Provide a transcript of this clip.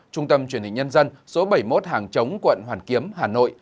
trung tâm truyền hình nhân dân số bảy mươi một hàng chống quận hoàn kiếm hà nội